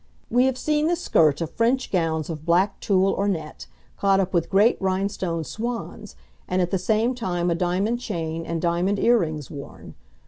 We have seen the skirt of French gowns of black tulle or net, caught up with great rhinestone swans, and at the same time a diamond chain and diamond earrings worn.